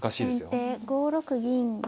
先手５六銀。